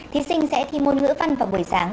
thí sinh sẽ thi môn ngữ văn vào buổi sáng